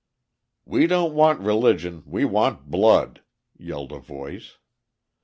"We don't want religion, we want blood," yelled a voice.